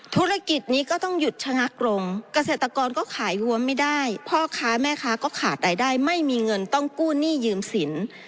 ธุรกิจนี้ก็ต้องหยุดชะงักลงเกษตรกรก็ขายวัวไม่ได้พ่อค้าแม่ค้าก็ขาดรายได้ไม่มีเงินต้องกู้หนี้ยืมสิน